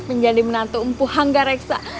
menjadi menantu umpu angga reksa